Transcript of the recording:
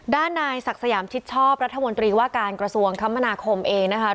ด้านนายศักดิ์สยามชิดชอบรัฐมนตรีว่าการกระทรวงคมนาคมเองนะคะ